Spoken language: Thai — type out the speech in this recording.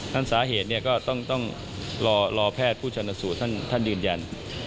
ทั้งสาเหตุเนี่ยก็ต้องรอแพทย์ผู้ชนสูตรท่านดื่นยัน